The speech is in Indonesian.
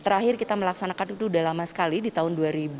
terakhir kita melaksanakan itu sudah lama sekali di tahun dua ribu